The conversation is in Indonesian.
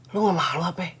lu gak malu api